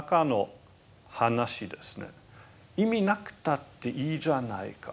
意味なくたっていいじゃないか。